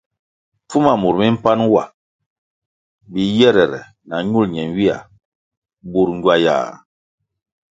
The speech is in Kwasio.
Pfuma mur mi mpan wa biyere na ñul ñenywia bur ngywayah.